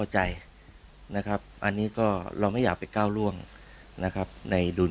ใจนะครับอันนี้ก็เราไม่อยากไปก้าวร่วงนะครับในดุล